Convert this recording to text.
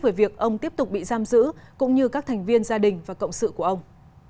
về việc ông tiếp tục bị giam giữ cũng như các thành viên gia đình và cộng sự của ông